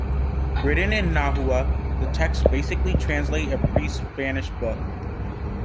Written in Nahua, the text basically translates a pre-Spanish book.